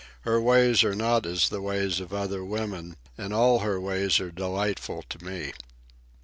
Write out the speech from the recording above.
Her ways are not as the ways of other women, and all her ways are delightful to me.